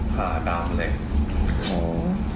ผ่าดำเลย